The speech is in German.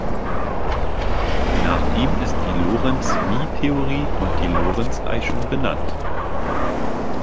Nach ihm ist die Lorenz-Mie-Theorie und die Lorenz-Eichung benannt.